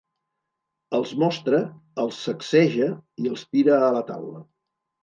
Els mostra, els sacseja i els tira a la taula.